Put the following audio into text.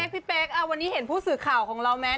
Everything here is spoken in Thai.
พี่เป๊กวันนี้เห็นผู้สื่อข่าวของเราไหม